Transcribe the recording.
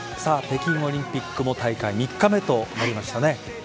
北京オリンピックも大会３日目となりましたね。